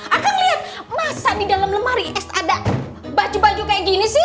aku ngeliat masa di dalam lemari es ada baju baju kayak gini sih